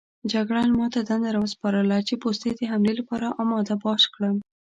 جګړن ما ته دنده راوسپارله چې پوستې د حملې لپاره اماده باش کړم.